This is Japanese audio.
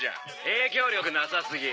影響力なさ過ぎ。